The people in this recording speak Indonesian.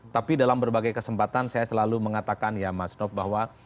tapi dalam berbagai kesempatan saya selalu mengatakan ya mas nop bahwa